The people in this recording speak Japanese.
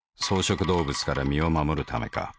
草食動物から身を護るためか。